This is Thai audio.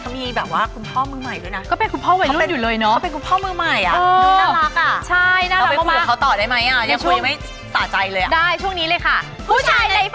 เขาเป็นเด็กแนวที่แบบดูเก๋ไก่ใช้ไรกว่าเดิม